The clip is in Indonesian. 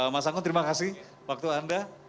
mas anggun terima kasih waktu anda